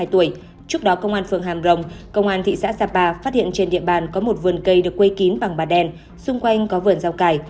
hai mươi tuổi trước đó công an phường hàm rồng công an thị xã sapa phát hiện trên địa bàn có một vườn cây được quây kín bằng bà đen xung quanh có vườn rau cải